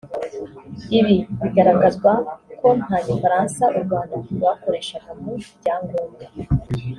Ibi bigaragazwa ko nta Gifaransa u Rwanda rwakoreshaga mu byangombwa